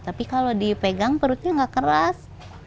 tapi kalau dipegang perutnya nggak keras